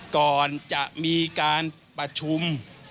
ก่อนจะมีการประชุม